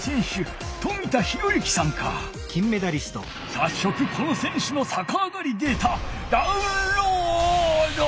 さっそくこの選手のさかあがりデータダウンロード！